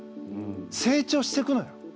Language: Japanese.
成長していくのよ。